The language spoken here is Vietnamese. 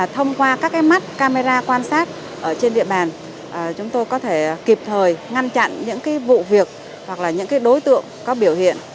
thông qua các mắt camera quan sát trên địa bàn chúng tôi có thể kịp thời ngăn chặn những vụ việc hoặc là những đối tượng có biểu hiện